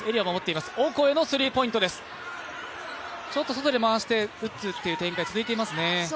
外で回して打つという展開が続いていますね。